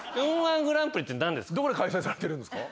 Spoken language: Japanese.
どこで開催されてるんですか？